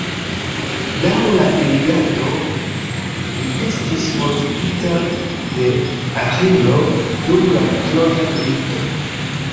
Laŭ la Iliado, li estis mortigita de Aĥilo dum la troja milito.